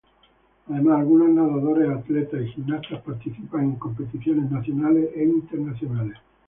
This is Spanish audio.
Además algunos nadadores, atletas y gimnastas participan en competiciones nacionales e internacionales.